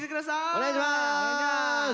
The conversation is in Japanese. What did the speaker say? お願いします。